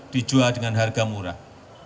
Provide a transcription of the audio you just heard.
dijual dengan harga murah